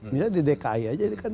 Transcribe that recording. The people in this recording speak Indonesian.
misalnya di dki aja dia kan delapan